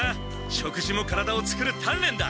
食事も体を作る鍛錬だ！